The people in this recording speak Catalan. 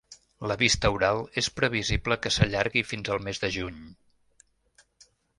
La vista oral és previsible que s’allargui fins al mes de juny.